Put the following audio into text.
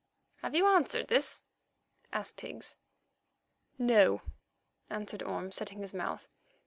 "Have you answered this?" asked Higgs. "No," answered Orme, setting his mouth.